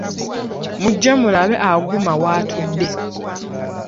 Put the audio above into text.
Mujje mulabe Aguma w'atudde.